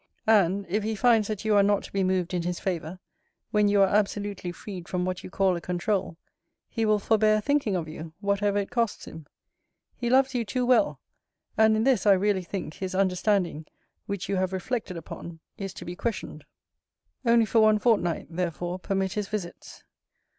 And, if he finds that you are not to be moved in his favour, when you are absolutely freed from what you call a controul, he will forbear thinking of you, whatever it costs him. He loves you too well: and in this, I really think, his understanding, which you have reflected upon, is to be questioned. Only for one fornight, therefore, permit his visits.